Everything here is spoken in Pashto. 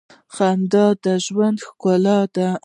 • خندا د ژوند ښکلا ده.